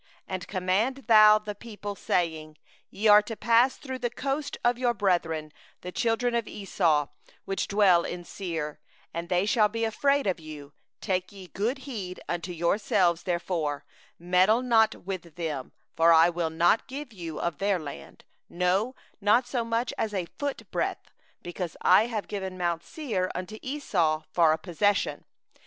4And command thou the people, saying: Ye are to pass through the border of your brethren the children of Esau, that dwell in Seir; and they will be afraid of you; take ye good heed unto yourselves therefore; 5contend not with them; for I will not give you of their land, no, not so much as for the sole of the foot to tread on; because I have given mount Seir unto Esau for a possession.